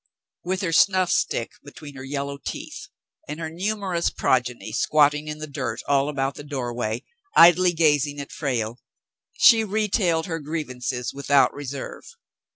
With her snuff stick between her yellow teeth and her numerous progeny squatting in the dirt all about the door way, idly gazing at Frale, she retailed her grievances with out reserve.